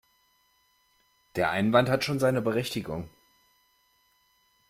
Der Einwand hat schon seine Berechtigung.